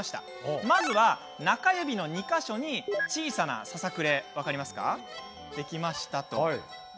まずは中指の２か所に小さなささくれができました。